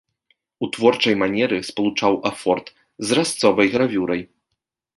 У творчай манеры спалучаў афорт з разцовай гравюрай.